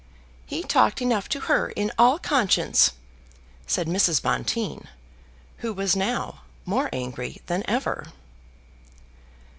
"He talked enough to her in all conscience," said Mrs. Bonteen, who was now more angry than ever.